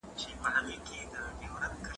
پر دغي څوکۍ باندې مي خپل نوی ساعت ایښی و.